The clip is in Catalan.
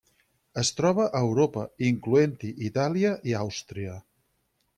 Es troba a Europa, incloent-hi Itàlia i Àustria.